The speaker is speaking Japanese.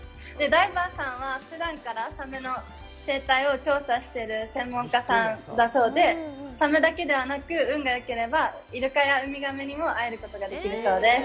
ダイバーさんは、ふだんからサメの生態を調査してる専門家さんだそうで、サメだけではなく、運がよければ、イルカやウミガメにも会うことができるそうです。